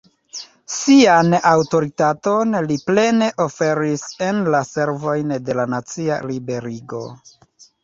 Sian aŭtoritaton li plene oferis en la servojn de la nacia liberigo.